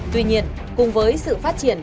tuy nhiên cùng với sự phát triển